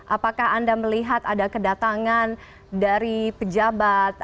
apakah anda melihat ada kedatangan dari pejabat